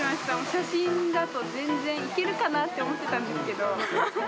写真だと全然、いけるかなと思ってたんですけど。